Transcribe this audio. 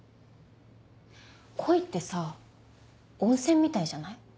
恋ってさぁ温泉みたいじゃない？